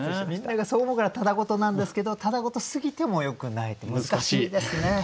みんながそう思うからただごとなんですけどただごとすぎてもよくないって難しいですね。